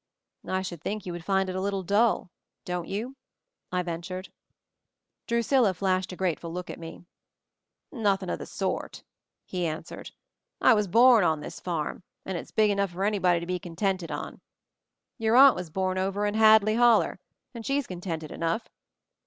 "I should think you would find it a little dull — don't you?" I ventured. Drusilla flashed a grateful look at me. "Nothing of the sort," he answered. "I was horn on this farm, and it's hig enough for anybody to be contented on. Your Aunt was born over in Hadley Holler — and she's contented enough.